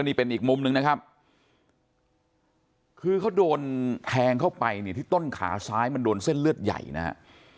นี่เป็นอีกมุมหนึ่งนะครับคือเขาโดนแทงเข้าไปเนี่ยที่ต้นขาซ้ายมันโดนเส้นเลือดใหญ่นะฮะ